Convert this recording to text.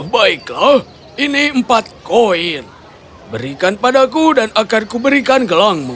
baiklah ini empat koin berikan padaku dan akan kuberikan gelangmu